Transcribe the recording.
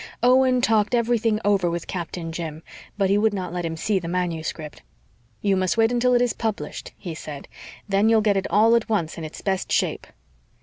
Owen talked everything over with Captain Jim, but he would not let him see the manuscript. "You must wait until it is published," he said. "Then you'll get it all at once in its best shape."